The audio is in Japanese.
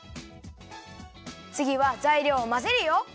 つぎはざいりょうをまぜるよ。